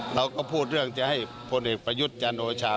เราก็พูดเรื่องจะให้พลเอกประยุทธ์จันโอชา